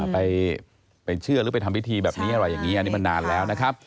ไปเชื่อหรือไปทำพิธีแบบนี้อันนี้มันนานแล้วนะครับ